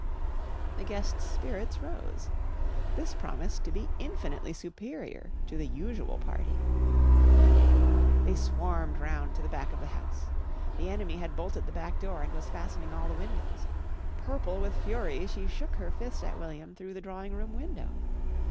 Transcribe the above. The guests' spirits rose. This promised to be infinitely superior to the usual party. They swarmed round to the back of the house. The enemy had bolted the back door and was fastening all the windows. Purple with fury she shook her fist at William through the drawing room window.